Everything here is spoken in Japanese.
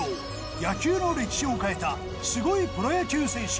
野球の歴史を変えたすごいプロ野球選手